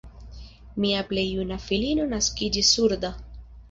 Mia plej juna filino naskiĝis surda.